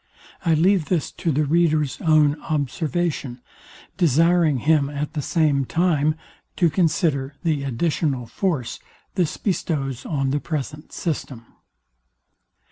I leave this to the reader's own observation; desiring him at the same time to consider the additional force this bestows on the present system.